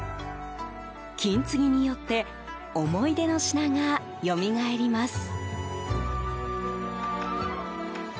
金継ぎによって思い出の品がよみがえります。